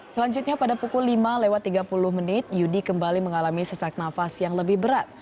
selanjutnya pada pukul lima lewat tiga puluh menit yudi kembali mengalami sesak nafas yang lebih berat